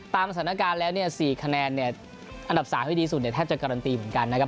ตามสถานการณ์แล้ว๔คะแนนอันดับ๓ที่ดีที่สุดแทบจะการันตีเหมือนกันนะครับ